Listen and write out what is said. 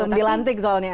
belum dilantik soalnya